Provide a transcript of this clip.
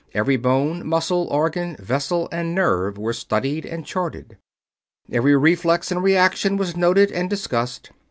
Every bone, muscle, organ, vessel, and nerve was studied and charted. Every reflex and reaction was noted and discussed.